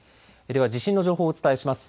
では地震の情報をお伝えします。